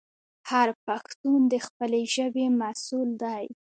هر پښتون د خپلې ژبې مسوول دی.